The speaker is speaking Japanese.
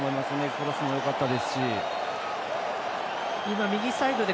クロスもよかったですし。